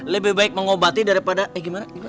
lebih baik mengobati daripada eh gimana